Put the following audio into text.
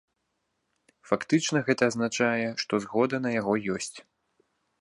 Фактычна гэта азначае, што згода на яго ёсць.